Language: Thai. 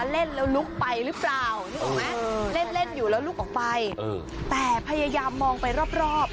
เล่นอยู่แล้วลุกออกไปแต่พยายามมองไปรอบ